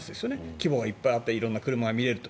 規模がいっぱいあって色んな車が見れると。